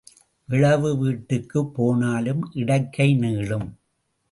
இழவு வீட்டுக்குப் போனாலும் இடக்கை நீளும்.